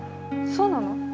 そうなの？